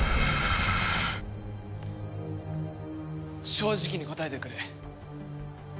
正直に答えてくれ。